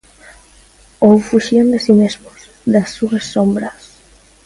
Ou fuxían de si mesmos, das súas sombras.